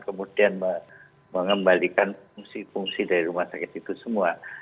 kemudian mengembalikan fungsi fungsi dari rumah sakit itu semua